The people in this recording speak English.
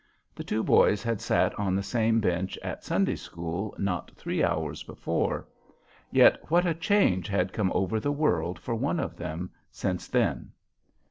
The two boys had sat on the same bench at Sunday school not three hours before; yet what a change had come over the world for one of them since then!